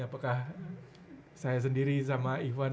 apakah saya sendiri sama ivan